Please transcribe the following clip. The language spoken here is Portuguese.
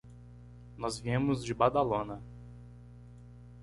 Nós viemos de Badalona.